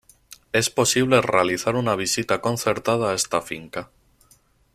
Es posible realizar una visita concertada a esta finca.